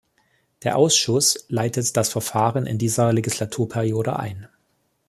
Der Ausschuss leitet das Verfahren in dieser Legislaturperiode ein.